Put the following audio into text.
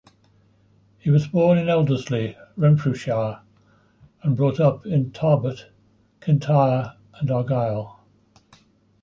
He was born in Elderslie, Renfrewshire, and brought up in Tarbert, Kintyre and Argyll.